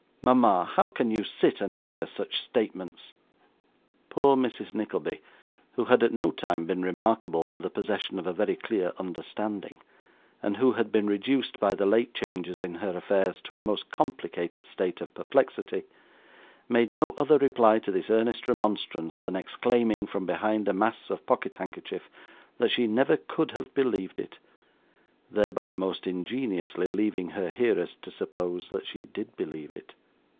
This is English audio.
Mama, how can you sit and hear such statements?' Poor Mrs. Nickleby, who had, at no time, been remarkable for the possession of a very clear understanding, and who had been reduced by the late changes in her affairs to a most complicated state of perplexity, made no other reply to this earnest remonstrance than exclaiming from behind a mass of pocket handkerchief, that she never could have believed it thereby most ingeniously leaving her hearers to suppose that she did believe it.